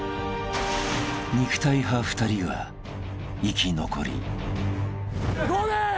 ［肉体派２人が生き残り］いこうぜ！